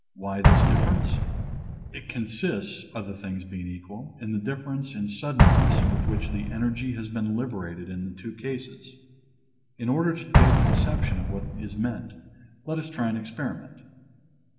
Why this difference ? It consists (other things being equal) in the difference in suddenness with which the energy has been liberated in the two cases. In order to get a conception of what is meant, let us try an experiment.